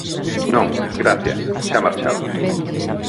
_Non, gracias, xa marchaba.